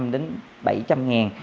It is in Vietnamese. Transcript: năm đến bảy trăm linh ngàn